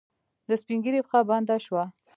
د سپينږيري پښه بنده شوه.